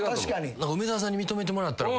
梅沢さんに認めてもらったら。